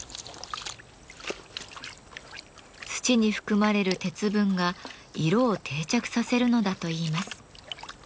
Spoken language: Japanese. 土に含まれる鉄分が色を定着させるのだといいます。